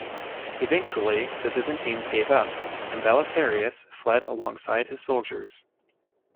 Eventually, the Byzantines gave up, and Belisarius fled alongside his soldiers.